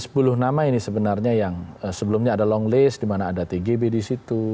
sepuluh nama ini sebenarnya yang sebelumnya ada longlist dimana ada tgb disitu